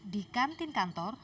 di kantin kantor